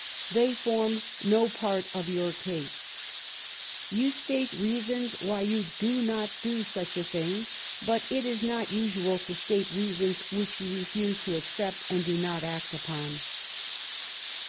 They form no part of your case. Tou state reasons why you do not do a thing, but it is not usual to state reasons which you refuse to accept and do not act upon.